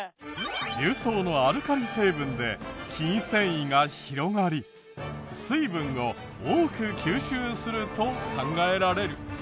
重曹のアルカリ成分で筋繊維が広がり水分を多く吸収すると考えられる。